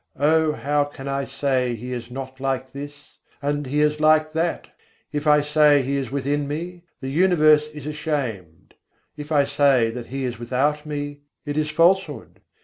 O how can I say He is not like this, and He is like that? If I say that He is within me, the universe is ashamed: If I say that He is without me, it is falsehood.